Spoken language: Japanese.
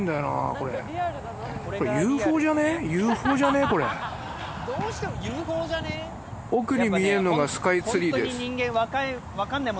これ・これ・奥に見えるのがスカイツリーです・